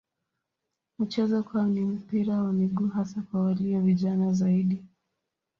Michezo kwao ni mpira wa miguu hasa kwa walio vijana zaidi.